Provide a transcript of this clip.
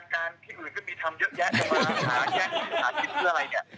มาหาแยะมาหาคิดเพื่ออะไรเนี่ย